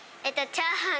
チャーハン？